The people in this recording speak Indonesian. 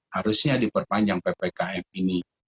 harusnya diperpanjang ppkm ini